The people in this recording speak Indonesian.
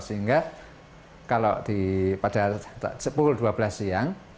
sehingga kalau pada pukul dua belas siang